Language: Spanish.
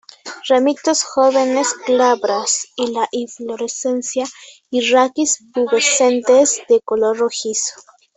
Ramitas jóvenes glabras y la inflorescencia y raquis pubescentes de color rojizo.